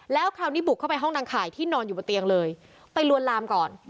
แล้วคราวนี้บุกเข้าไปห้องนางข่ายที่นอนอยู่บนเตียงเลยไปลวนลามก่อน